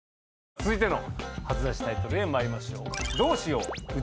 続いての初出しタイトルへまいりましょう。